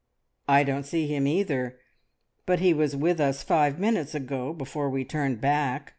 "I don't see him either, but he was with us five minutes ago before we turned back.